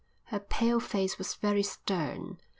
Her pale face was very stern.